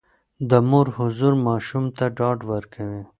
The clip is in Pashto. د مور حضور ماشوم ته ډاډ ورکوي.